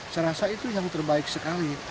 saya rasa itu yang terbaik sekali